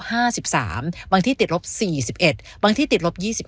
ห้าสิบสามบางที่ติดลบสี่สิบเอ็ดบางที่ติดลบยี่สิบ